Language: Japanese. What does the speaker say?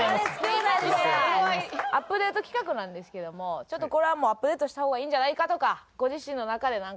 アップデート企画なんですけどもちょっとこれはアップデートした方がいいんじゃないかとかご自身の中でなんか。